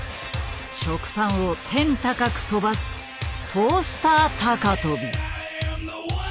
食パンを天高く跳ばすトースター高跳び。